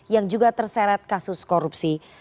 yang juga terseret kasus korupsi